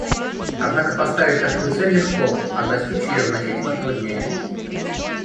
Однако поставить такую цель легко, а достичь ее значительно труднее.